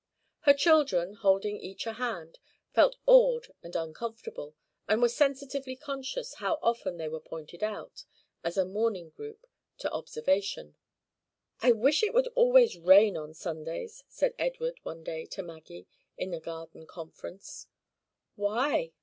Her children, holding each a hand, felt awed and uncomfortable, and were sensitively conscious how often they were pointed out, as a mourning group, to observation. "I wish it would always rain on Sundays," said Edward one day to Maggie, in a garden conference. "Why?"